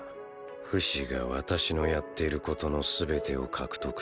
フシが私のやっていることの全てを獲得するのを。